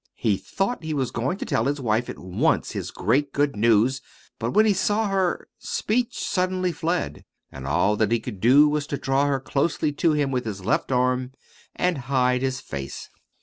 He thought he was going to tell his wife at once his great good news; but when he saw her, speech suddenly fled, and all that he could do was to draw her closely to him with his left arm and hide his face.